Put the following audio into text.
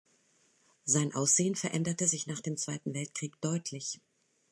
Sein Aussehen veränderte sich nach dem Zweiten Weltkrieg deutlich.